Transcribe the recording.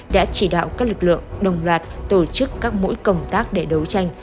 đã chỉ đạo các lực lượng đồng loạt tổ chức các mũi công tác để đấu tranh